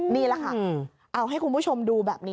นี่แหละค่ะเอาให้คุณผู้ชมดูแบบนี้